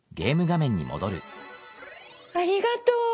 ありがとう。